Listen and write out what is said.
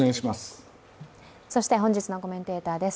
そして本日のコメンテーターです